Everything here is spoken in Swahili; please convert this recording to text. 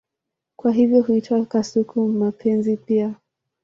Kwa hivyo huitwa kasuku-mapenzi pia.